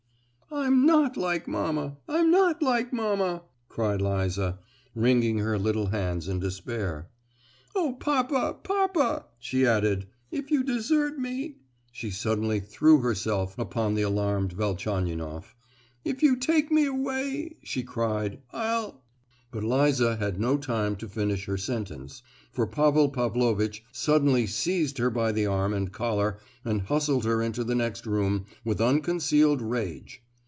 "I'm not like mamma, I'm not like mamma!" cried Liza, wringing her little hands in despair. "Oh, papa—papa!" she added, "if you desert me—" she suddenly threw herself upon the alarmed Velchaninoff—"If you take me away—" she cried—"I'll——" But Liza had no time to finish her sentence, for Pavel Pavlovitch suddenly seized her by the arm and collar and hustled her into the next room with unconcealed rage.